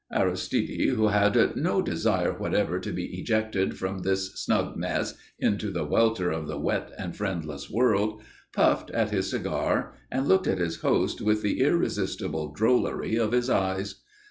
Aristide, who had no desire whatever to be ejected from this snug nest into the welter of the wet and friendless world, puffed at his cigar, and looked at his host with the irresistible drollery of his eyes.